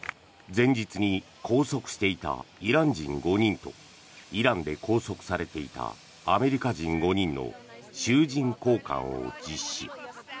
前日に拘束していたイラン人５人とイランで拘束されていたアメリカ人５人の囚人交換を実施。